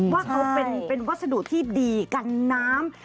ว่าเขาเป็นวัสดุที่ดีกันน้ำ